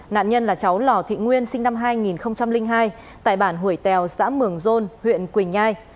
nạn nhân là cháu lò thị nguyên sinh năm hai nghìn hai tại bản hủy tèo xã mường rôn huyện quỳnh nhai